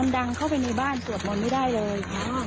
ดังเข้าไปในบ้านสวดมนต์ไม่ได้เลย